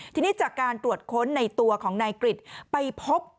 ทีนี้จากการตรวจค้นในตัวของนายกริจไปพบ